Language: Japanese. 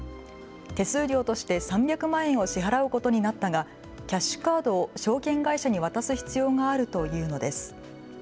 手数料として３００万円を支払うことになったがキャッシュカードを証券会社に渡す必要があると言うのです。